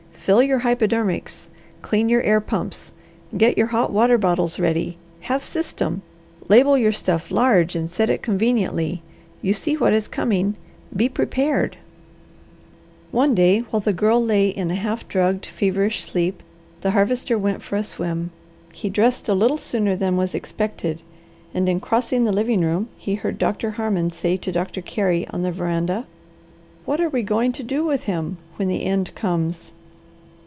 Fill your hypodermics. Clean your air pumps. Get your hot water bottles ready. Have system. Label your stuff large and set it conveniently. You see what is coming, be prepared!" One day, while the Girl lay in a half drugged, feverish sleep, the Harvester went for a swim. He dressed a little sooner than was expected and in crossing the living room he heard Doctor Harmon say to Doctor Carey on the veranda, "What are we going to do with him when the end comes?"